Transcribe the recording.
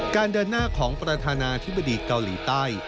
เดินหน้าของประธานาธิบดีเกาหลีใต้